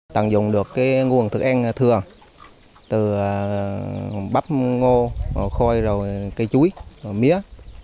tận dụng được nguồn thức ăn thừa từ bắp ngô khôi cây chuối mía